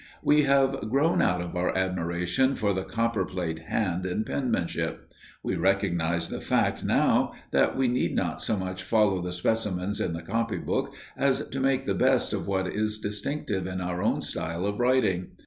We have grown out of our admiration for the "copper plate hand" in penmanship; we recognize the fact now, that we need not so much follow the specimens in the copy book as to make the best of what is distinctive in our own style of writing.